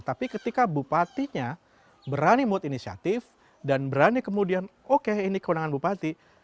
tapi ketika bupatinya berani mood inisiatif dan berani kemudian oke ini kewenangan bupati